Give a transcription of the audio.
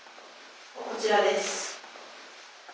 こちらです。